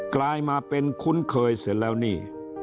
กลายมาเป็นคุ้นเคยเสร็จแล้วนี่